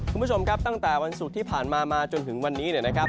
คุณผู้ชมครับตั้งแต่วันสุดที่ผ่านมาจนถึงวันนี้นะครับ